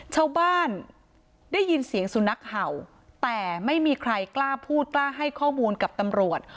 ชาวบ้านได้ยินเสียงสุนัขเห่าแต่ไม่มีใครกล้าพูดกล้าให้ข้อมูลกับตำรวจ